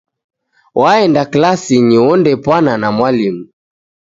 Waenda klasinyi ondepwana na mwalimu.